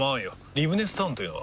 リブネスタウンというのは？